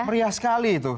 meriah sekali itu